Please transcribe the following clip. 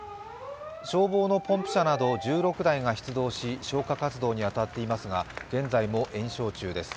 消防のポンプ車など１６台が出場し、消火活動に当たっていますが、現在も延焼中です。